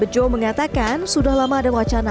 bejo mengatakan sudah lama ada wacana